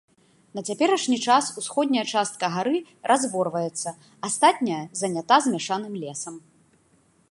На цяперашні час усходняя частка гары разворваецца, астатняя занята змяшаным лесам.